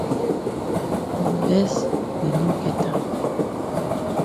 Unless dey no get am.